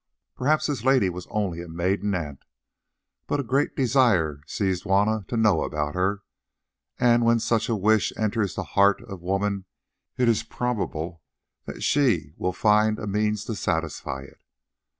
Perhaps this lady was only a maiden aunt, but a great desire seized Juanna to know about her; and when such a wish enters the heart of woman it is probable that she will find a means to satisfy it.